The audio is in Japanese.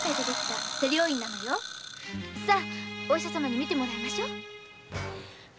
サお医者様に診てもらいましょう。